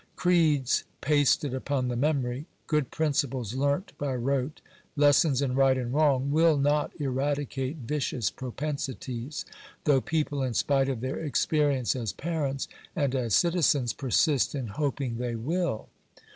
Creeds pasted upon the memory, good principles learnt by rote, lessons in right and wrong, will not eradicate vicious propensities, though people, in spite of their experience as pa rents, and as citizens, persist in hoping they will.